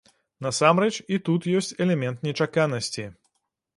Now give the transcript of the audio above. Насамрэч, і тут ёсць элемент нечаканасці.